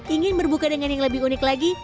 ingin berbuka dengan yang lebih unik lagi